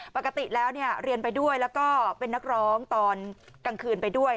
ปกติแล้วเรียนไปด้วยแล้วก็เป็นนักร้องตอนกลางคืนไปด้วย